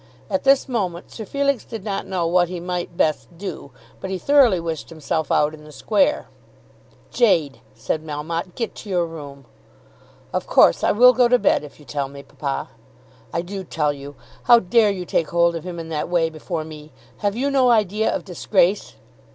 At this moment Sir Felix did not know what he might best do, but he thoroughly wished himself out in the square. "Jade!" said Melmotte, "get to your room." [Illustration: "Get to your room."] "Of course I will go to bed, if you tell me, papa." "I do tell you. How dare you take hold of him in that way before me! Have you no idea of disgrace?"